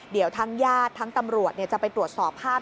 เดี๋ยวทั้งญาติทั้งตำรวจจะไปตรวจสอบภาพ